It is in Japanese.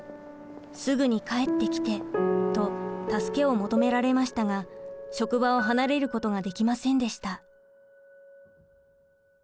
「すぐに帰ってきて」と助けを求められましたが職場を離れることができませんでした。